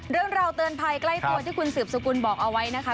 เรื่องราวเตือนภัยใกล้ตัวที่คุณสืบสกุลบอกเอาไว้นะคะ